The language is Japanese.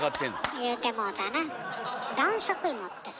言うてもうたな。